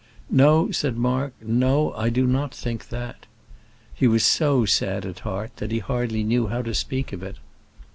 "No," said Mark; "no, I do not think that." He was so sad at heart that he hardly knew how to speak of it.